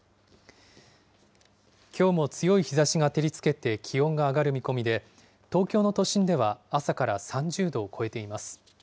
きょうも強い日ざしが照りつけて気温が上がる見込みで、東京の都心では朝から３０度を超えています。